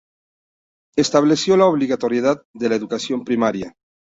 Estableció la obligatoriedad de la educación primaria.